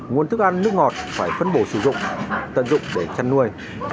nguồn thức ăn nước ngọt phải phân bổ sử dụng tận dụng để chăn nuôi